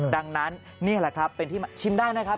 ดังนั้นนี่แหละครับเป็นที่ชิมได้นะครับ